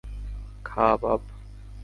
খা, বাব।